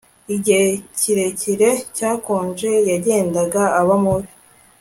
Igihe ikirere cyakonje yagendaga aba mubi